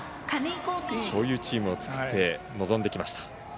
そういうチームを作って臨んできました。